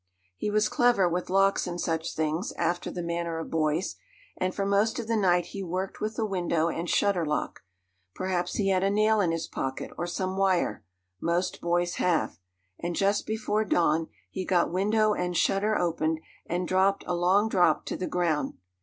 He was clever with locks and such things, after the manner of boys, and for most of the night he worked with the window and shutter lock. Perhaps he had a nail in his pocket, or some wire. Most boys have. And just before dawn he got window and shutter opened, and dropped, a long drop, to the ground.